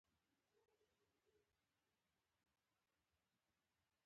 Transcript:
پښتون ژغورني غورځنګ غواړي چې نوره نړۍ مسؤليت ته راوبولي.